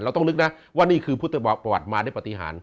ต้องนึกนะว่านี่คือพุทธประวัติมาด้วยปฏิหาร